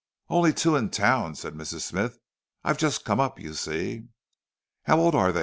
"Only two, in town," said Mrs. Smythe. "I've just come up, you see." "How old are they?"